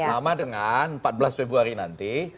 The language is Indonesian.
sama dengan empat belas februari nanti